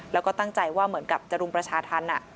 แล้วก็ตั้งใจว่าเหมือนกับจะรุมประชาธรรม